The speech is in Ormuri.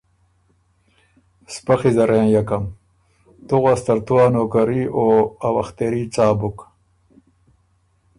سپخی زر هېںئکم۔ تُو غؤس ترتو ا نوکري او ا وخت تېري څا بُک۔